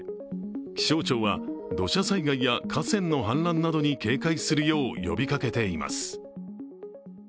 気象庁は、土砂災害や河川の氾濫などに警戒するよう呼びかけています。